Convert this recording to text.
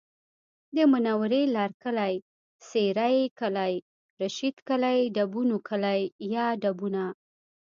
د منورې لرکلی، سېرۍ کلی، رشید کلی، ډبونو کلی یا ډبونه